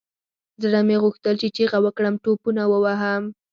زړه مې غوښتل چې چيغه وكړم ټوپونه ووهم.